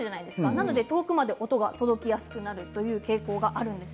なので遠くまで音が届きやすくなる傾向があるんです。